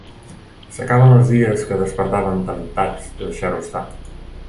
S'acaben els dies que despertàvem temptats de deixar-ho estar.